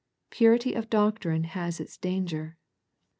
Purity of doctrine has its danger.